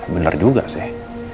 bener juga sih